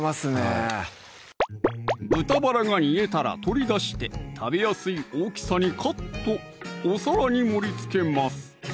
はい豚バラが煮えたら取り出して食べやすい大きさにカットお皿に盛りつけます